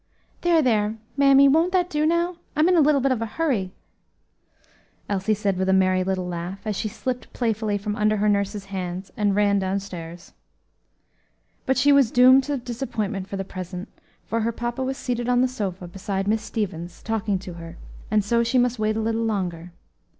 "There, there! mammy, won't that do now? I'm in a little bit of a hurry," Elsie said with a merry little laugh, as she slipped playfully from under her nurse's hand, and ran down stairs. But she was doomed to disappointment for the present, for her papa was seated on the sofa, beside Miss Stevens, talking to her; and so she must wait a little longer.